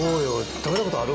食べたことある？